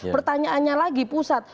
pertanyaannya lagi pusat